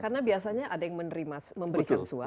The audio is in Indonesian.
karena biasanya ada yang memberikan suap